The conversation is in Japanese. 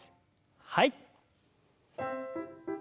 はい。